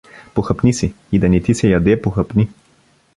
Похапни си, и да не ти се яде, похапни.